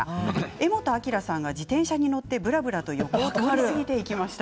柄本明さんが自転車に乗ってぶらぶらと通り過ぎていきました。